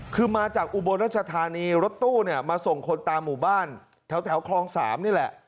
คือมาจากอุโบรัชธาณีรถตู้มาส่งคนตามหมู่บ้านแถวครอง๓นี่ล่ะ